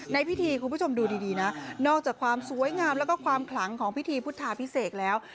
ในพิธีคุณผู้ชมดูดีนะนอกจากความสวยงามแล้วก็ความขลังของพิธีพุทธาพิเศษแล้ว